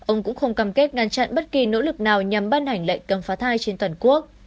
ông cũng không cam kết ngăn chặn bất kỳ nỗ lực nào nhằm ban hành lệnh cấm phá thai trên toàn quốc